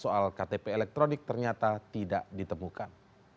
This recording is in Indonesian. soal ktp elektronik ternyata tidak ditemukan